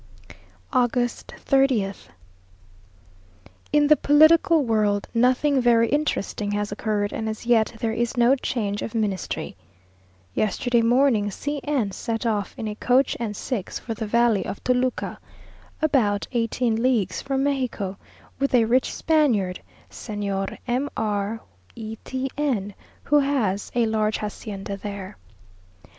August 30th In the political world nothing very interesting has occurred and as yet there is no change of ministry. Yesterday morning C n set off in a coach and six for the valley of Toluca, about eighteen leagues from Mexico, with a rich Spaniard, Señor M r y T n, who has a large hacienda there.